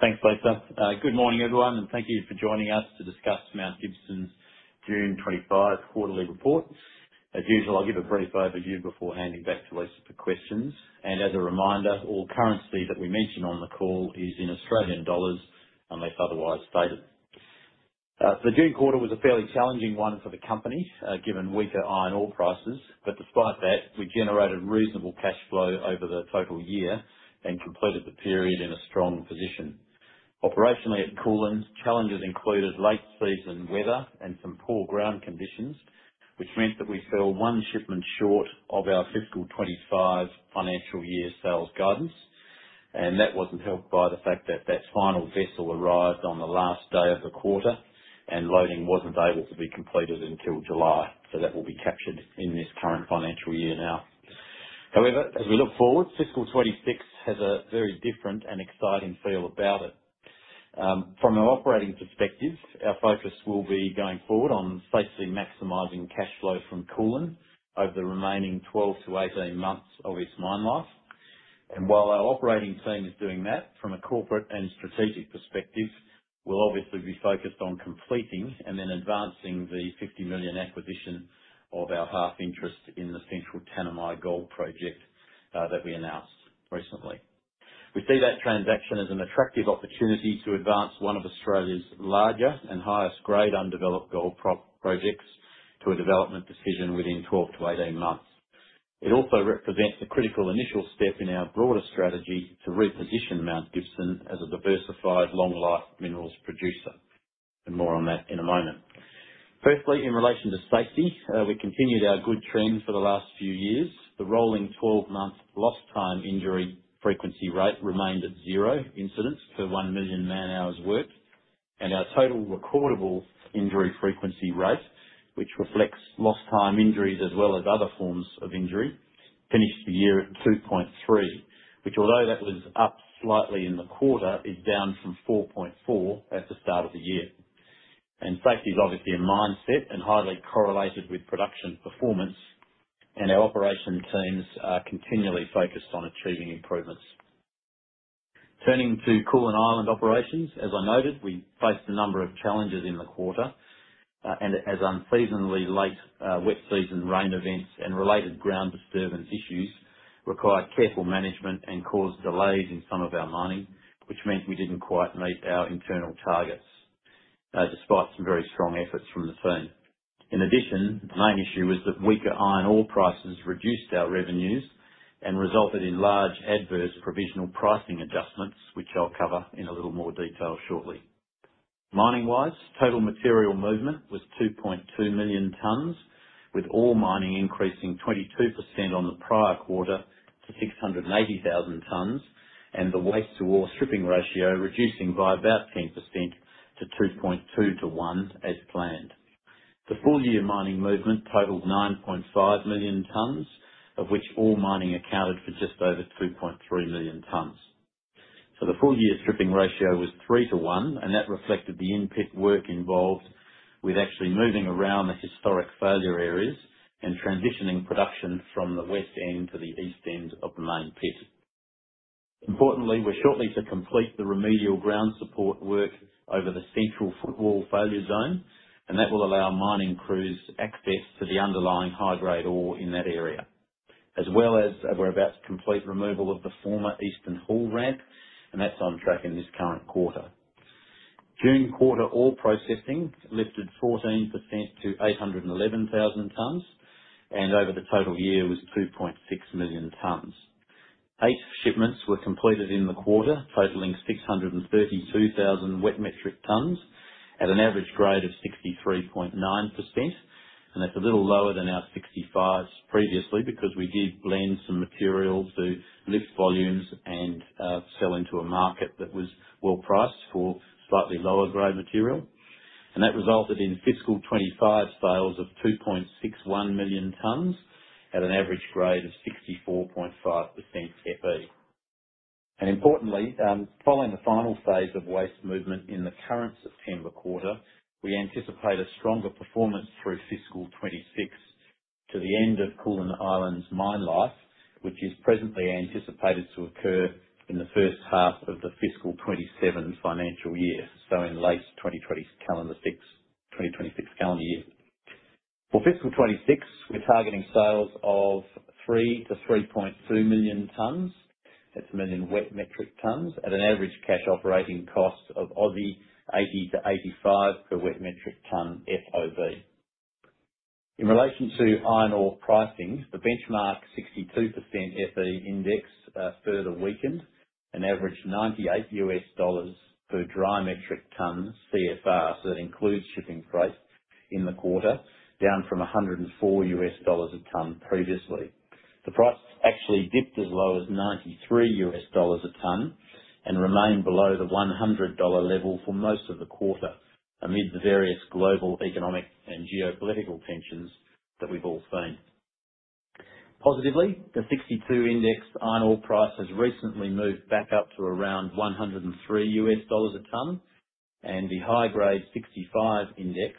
Thanks, Blake. Good morning, everyone, and thank you for joining us to discuss Mount Gibson's June 2025 quarterly report. As usual, I'll give a brief overview before handing back to Lisa for questions. As a reminder, all currency that we mention on the call is in Australian dollars, unless otherwise stated. The June quarter was a fairly challenging one for the company, given weaker iron ore prices. Despite that, we generated reasonable cash flow over the total year and completed the period in a strong position. Operationally, at Koolan, challenges included late-season weather and some poor ground conditions, which meant that we fell one shipment short of our fiscal 2025 financial year sales guidance. That wasn't helped by the fact that the final vessel arrived on the last day of the quarter, and loading wasn't able to be completed until July. That will be captured in this current financial year now. However, as we look forward, fiscal 2026 has a very different and exciting feel about it. From an operating perspective, our focus will be going forward on safely maximizing cash flow from Koolan over the remaining 12-18 months of its mine life. While our operating team is doing that, from a corporate and strategic perspective, we'll obviously be focused on completing and then advancing the $50 million acquisition of our half interest in the Central Tanami Gold Project that we announced recently. We see that transaction as an attractive opportunity to advance one of Australia's larger and highest-grade undeveloped gold projects to a development decision within 12-18 months. It also represents a critical initial step in our broader strategy to reposition Mount Gibson as a diversified long-life minerals producer. More on that in a moment. Firstly, in relation to safety, we continued our good trends for the last few years. The rolling 12-month Lost Time Injury Frequency Rate remained at zero incidents per 1 million man-hours worked. Our Total Recordable Injury Frequency Rate, which reflects lost time injuries as well as other forms of injury, finished the year at 2.3%, which, although that was up slightly in the quarter, is down from 4.4% at the start of the year. Safety is obviously a mindset and highly correlated with production performance. Our operation teams are continually focused on achieving improvements. Turning to Koolan Island operations, as I noted, we faced a number of challenges in the quarter. Unseasonably late wet season rain events and related ground disturbance issues required careful management and caused delays in some of our mining, which meant we didn't quite meet our internal targets, despite some very strong efforts from the firm. In addition, the main issue was that weaker iron ore prices reduced our revenues and resulted in large adverse provisional pricing adjustments, which I'll cover in a little more detail shortly. Mining-wise, total material movement was 2.2 million tonnes, with ore mining increasing 22% on the prior quarter to 680,000 tonnes, and the waste-to-ore stripping ratio reducing by about 10% to 2.2 to 1 as planned. The full-year mining movement totaled 9.5 million tonnes, of which ore mining accounted for just over 2.3 million tonnes. The full-year stripping ratio was 3 to 1, and that reflected the in-pit work involved with actually moving around the historic failure areas and transitioning production from the West end to the East end of the main pit. Importantly, we're shortly to complete the remedial ground support work over the central hall failure zone, and that will allow mining crews access to the underlying high-grade ore in that area, as well as we're about to complete removal of the former Eastern hall ramp, and that's on track in this current quarter. June quarter ore processing lifted 14% to 811,000 tonnes, and over the total year was 2.6 million tonnes. Eight shipments were completed in the quarter, totaling 632,000 Wet Metric Tonne at an average grade of 63.9%. That's a little lower than our 65s previously because we did blend some materials, do lift volumes, and sell into a market that was well-priced for slightly lower-grade material. That resulted in fiscal 2025 sales of 2.61 million tonnes at an average grade of 64.5% Fe. Importantly, following the final phase of waste movement in the current September quarter, we anticipate a stronger performance through fiscal 2026 to the end of Koolan Island's mine life, which is presently anticipated to occur in the first half of the fiscal 2027 financial year, in late 2026 calendar year. For fiscal 2026, we're targeting sales of 3 million-3.2 million Wet Metric Tonne at an average cash operating cost of 80-85 per Wet Metric Tonne FOB. In relation to iron ore pricing, the benchmark 62% Fe index further weakened and averaged $98 per Dry Metric Tonne CFR, so that includes shipping price in the quarter, down from $104 per tonne previously. The price actually dipped as low as $93 per tonne and remained below the $100 level for most of the quarter amid the various global economic and geopolitical tensions that we've all seen. Positively, the 62 index iron ore price has recently moved back up to around $103 per tonne, and the high-grade 65 index,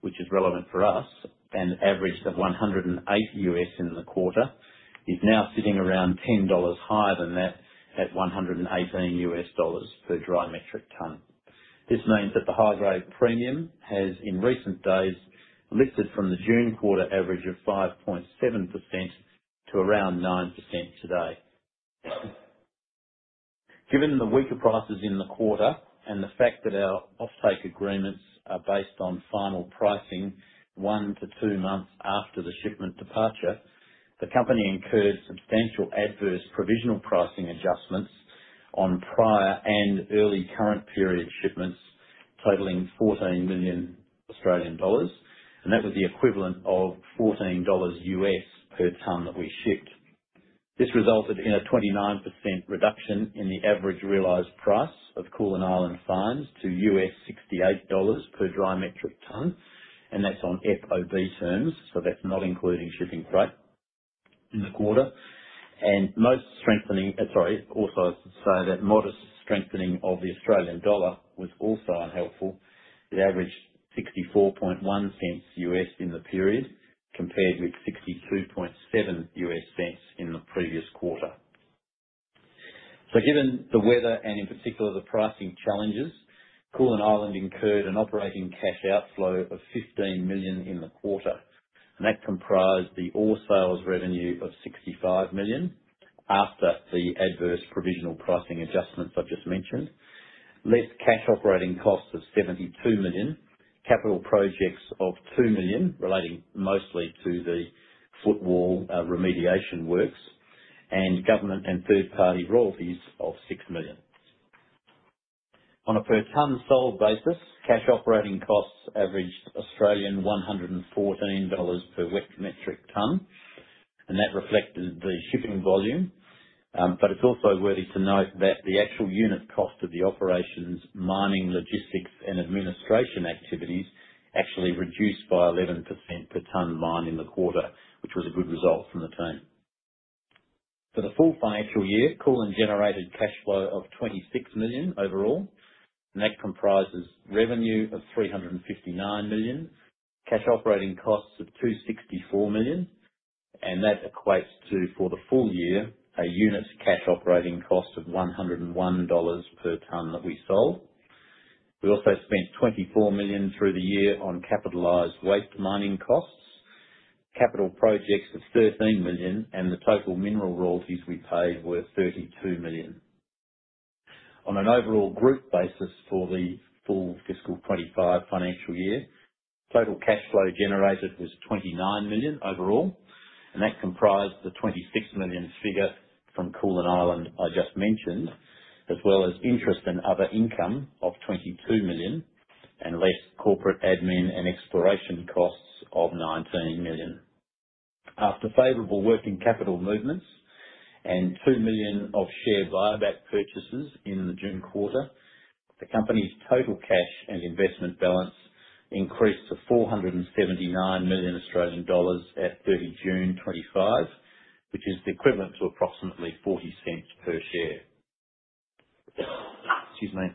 which is relevant for us and averaged $108 in the quarter, is now sitting around $10 higher than that at $118 per Dry Metric Tonne. This means that the high-grade premium has in recent days lifted from the June quarter average of 5.7% to around 9% today. Given the weaker prices in the quarter and the fact that our offtake agreements are based on final pricing one to two months after the shipment departure, the company incurred substantial adverse provisional pricing adjustments on prior and early current period shipments totaling 14 million Australian dollars, and that was the equivalent of $14 per tonne that we shipped. This resulted in a 29% reduction in the average realized price of Koolan Island fines to $68 per Dry Metric Tonne, and that's on FOB terms, so that's not including shipping price in the quarter. Modest strengthening of the Australian dollar was also unhelpful. It averaged $0.641 in the period compared with $0.627 in the previous quarter. Given the weather and in particular the pricing challenges, Koolan Island incurred an operating cash outflow of $15 million in the quarter, and that comprised the ore sales revenue of $65 million after the adverse provisional pricing adjustments I just mentioned, less cash operating costs of $72 million, capital projects of $2 million relating mostly to the footwall remediation works, and government and third-party royalties of $6 million. On a per tonne sold basis, cash operating costs averaged 114 Australian dollars per Wet Metric Tonne, and that reflected the shipping volume. It's also worthy to note that the actual unit cost of the operations, mining, logistics, and administration activities actually reduced by 11% per tonne mined in the quarter, which was a good result from the team. For the full financial year, Koolan generated cash flow of $26 million overall, and that comprises revenue of $359 million, cash operating costs of $264 million, and that equates to, for the full year, a unit cash operating cost of $101 per tonne that we sold. We also spent $24 million through the year on capitalized waste mining costs, capital projects of $13 million, and the total mineral royalties we paid were $32 million. On an overall group basis for the full fiscal 2025 financial year, total cash flow generated was $29 million overall, and that comprised the $26 million figure from Koolan Island I just mentioned, as well as interest and other income of $22 million and less corporate admin and exploration costs of $19 million. After favorable working capital movements and $2 million of share buyback purchases in the June quarter, the company's total cash and investment balance increased to 479 million Australian dollars at 30 June 2025, which is the equivalent to approximately $0.40 per share. Excuse me.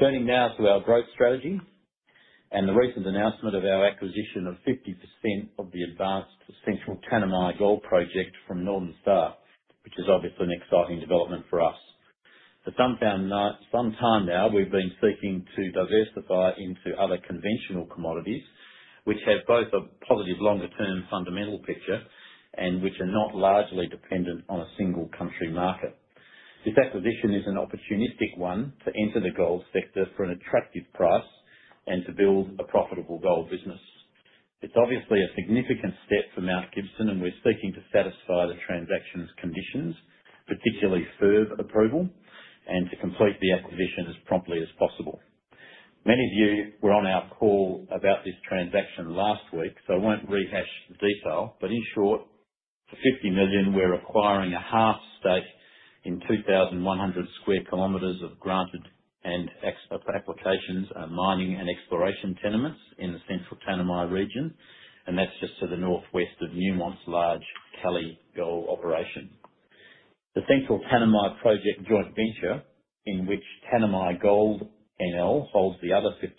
Turning now to our growth strategy and the recent announcement of our acquisition of 50% of the advanced Central Tanami Gold Project from Northern Star, which is obviously an exciting development for us. For some time now, we've been seeking to diversify into other conventional commodities, which have both a positive longer-term fundamental picture and which are not largely dependent on a single country market. This acquisition is an opportunistic one to enter the gold sector for an attractive price and to build a profitable gold business. It's obviously a significant step for Mount Gibson, and we're seeking to satisfy the transaction's conditions, particularly FIRB approval, and to complete the acquisition as promptly as possible. Many of you were on our call about this transaction last week, so I won't rehash the detail. In short, for $50 million, we're acquiring a half stake in 2,100 sq km of granted and applications and mining and exploration tenements in the Central Tanami region, and that's just to the Northwest of the Montsalvat Kelly gold operation. The Central Tanami Project joint venture, in which Tanami Gold NL holds the other 50%,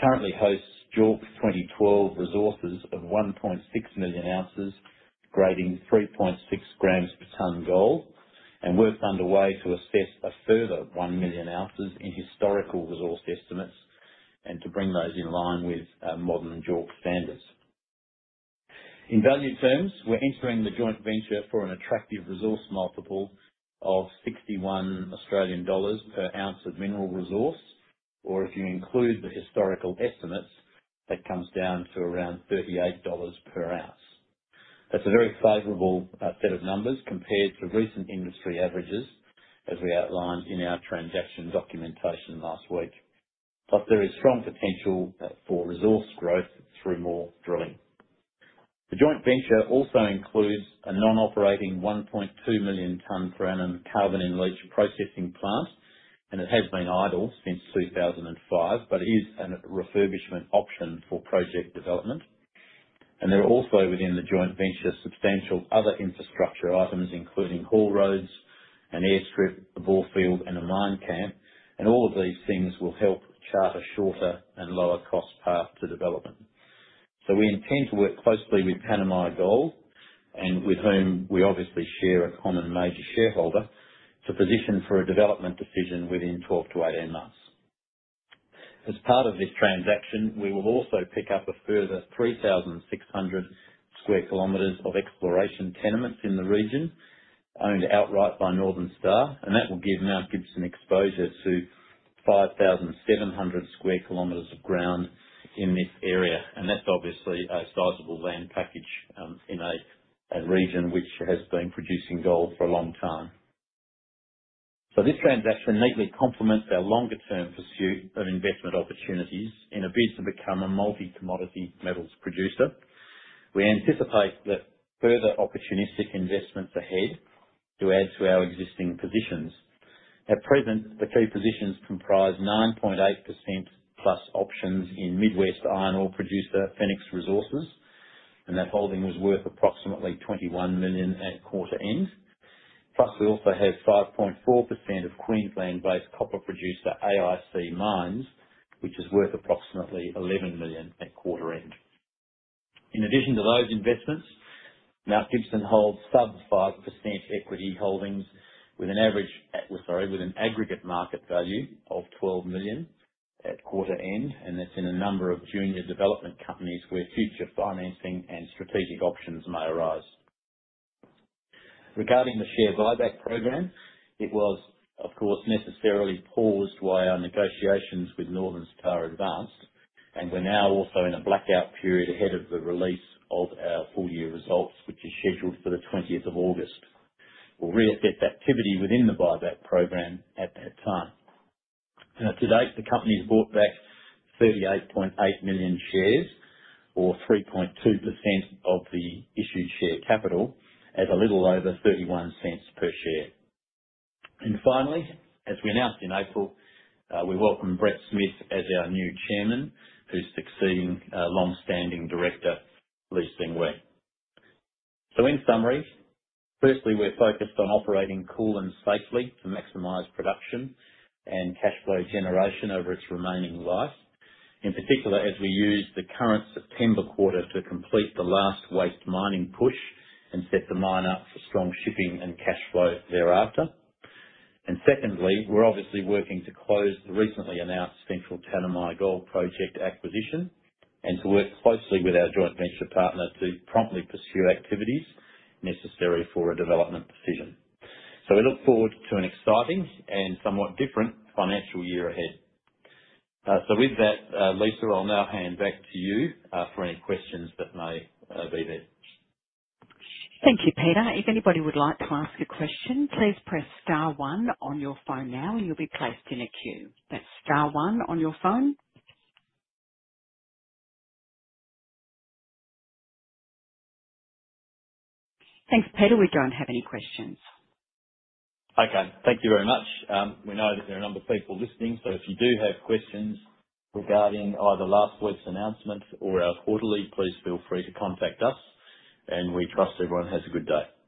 currently hosts JORC 2012 resources of 1.6 million ounces, grading 3.6 g/t gold, and work's underway to assess a further 1 million ounces in historical resource estimates and to bring those in line with modern JORC standards. In value terms, we're entering the joint venture for an attractive resource multiple of 61 Australian dollars per ounce of mineral resource, or if you include the historical estimates, that comes down to around AUD 38 per ounce. That's a very favorable set of numbers compared to recent industry averages as we outlined in our transaction documentation last week. Plus, there is strong potential for resource growth through more drilling. The joint venture also includes a non-operating 1.2 million-tonne per annum Carbon-in-Leach processing plant, and it has been idle since 2005, but it is a refurbishment option for project development. There are also within the joint venture substantial other infrastructure items, including haul roads, an airstrip, a bore field, and a mine camp. All of these things will help chart a shorter and lower cost path to development. We intend to work closely with Tanami Gold, with whom we obviously share a common major shareholder, to position for a development decision within 12-18 months. As part of this transaction, we will also pick up a further 3,600 sq km of exploration tenements in the region owned outright by Northern Star, and that will give Mount Gibson exposure to 5,700 sq km of ground in this area. That's obviously a sizable land package in a region which has been producing gold for a long time. This transaction neatly complements our longer-term pursuit of investment opportunities in a bid to become a multi-commodity metals producer. We anticipate that further opportunistic investments ahead do add to our existing positions. At present, the key positions comprise 9.8%+ options in Midwest iron ore producer Fenix Resources, and that holding is worth approximately 21 million at quarter end. Plus, we also have 5.4% of Queensland-based copper producer AIC Mines, which is worth approximately 11 million at quarter end. In addition to those investments, Mount Gibson holds sub-5% equity holdings with an aggregate market value of 12 million at quarter end, and that's in a number of junior development companies where future financing and strategic options may arise. Regarding the share buyback program, it was, of course, necessarily paused while our negotiations with Northern Star advanced, and we're now also in a blackout period ahead of the release of our full-year results, which is scheduled for the 20th of August. We'll reinvent activity within the buyback program at that time. To date, the company's bought back 38.8 million shares, or 3.2% of the issued share capital, at a little over $0.31 per share. Finally, as we announced in April, we welcome Brett Smith as our new Chairman, who's succeeding longstanding Director, Lee Seng Hui. In summary, firstly, we're focused on operating Koolan safely to maximize production and cash flow generation over its remaining life, in particular as we use the current September quarter to complete the last waste mining push and set the mine up for strong shipping and cash flow thereafter. Secondly, we're obviously working to close the recently announced Central Tanami Gold Project acquisition and to work closely with our joint venture partner to promptly pursue activities necessary for a development decision. We look forward to an exciting and somewhat different financial year ahead. With that, Lisa, I'll now hand back to you for any questions that may be there. Thank you, Peter. If anybody would like to ask a question, please press star one on your phone now, and you'll be placed in a queue. That's star one on your phone. Thanks, Peter. We don't have any questions. Okay. Thank you very much. We know that there are a number of people listening, so if you do have questions regarding either last week's announcement or our quarterly, please feel free to contact us. We trust everyone has a good day. Thank you.